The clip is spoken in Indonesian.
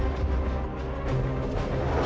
assalamualaikum warahmatullahi wabarakatuh